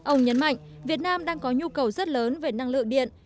ông nhấn mạnh việt nam đang có nhu cầu rất lớn về năng lượng điện